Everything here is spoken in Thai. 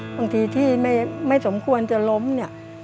บางทีที่ไม่สมควรจะล้มเนี่ย